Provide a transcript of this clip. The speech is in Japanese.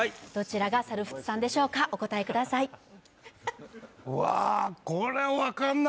どちらが猿払産でしょうかお答えください